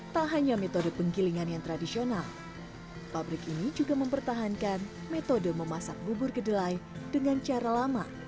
tak hanya metode penggilingan yang tradisional pabrik ini juga mempertahankan metode memasak bubur kedelai dengan cara lama